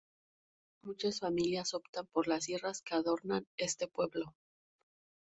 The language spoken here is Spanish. Muchas familias optan por las sierras que adornan este pueblo.